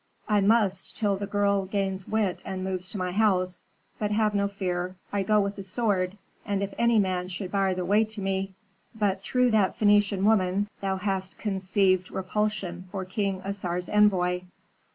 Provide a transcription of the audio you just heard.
"I must till the girl gains wit and moves to my house. But have no fear, I go with a sword; and if any man should bar the way to me " "But through that Phœnician woman thou hast conceived repulsion for King Assar's envoy."